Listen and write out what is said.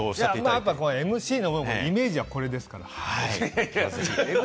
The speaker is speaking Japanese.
あと、ＭＣのイメージは僕、これですから。